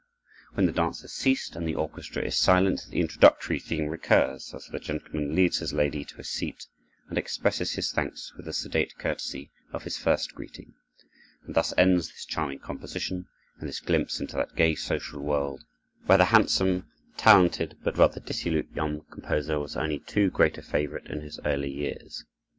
When the dance has ceased, and the orchestra is silent, the introductory theme recurs, as the gentleman leads his lady to a seat and expresses his thanks with the sedate courtesy of his first greeting; and thus ends this charming composition and this glimpse into that gay social world, where the hand some, talented, but rather dissolute young composer was only too great a favorite in his early years.